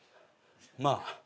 まあ。